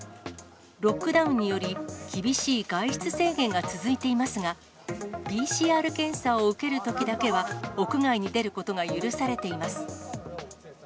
ロックダウンにより、厳しい外出制限が続いていますが、ＰＣＲ検査を受けるときだけは、屋外に出ることが許されています。